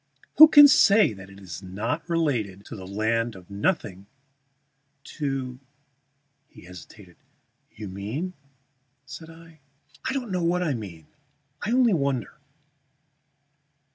Who can say that it is not related to the land of nothing, to " He hesitated. "You mean?" said I. "I don't know what I mean. I only wonder.